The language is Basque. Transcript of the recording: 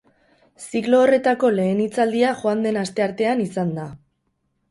Ziklo horretako lehen hitzaldia joan den asteartean izan da.